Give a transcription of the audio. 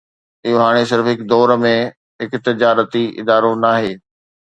اهو هاڻي صرف هڪ دور ۾ هڪ تجارتي ادارو ناهي